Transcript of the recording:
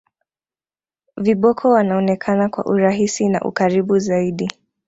viboko wanaonekana kwa urahisi na ukaribu zaidi